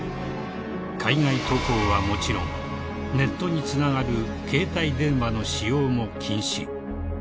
［海外渡航はもちろんネットにつながる携帯電話の使用も禁止］